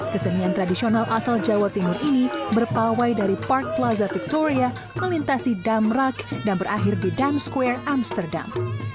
kesenian tradisional asal jawa timur ini berpawai dari park plaza victoria melintasi damrak dan berakhir di dam square amsterdam